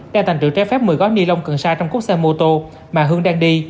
đã tàn trữ trái phép một mươi gói ni lông cần xa trong cốt xe mô tô mà hương đang đi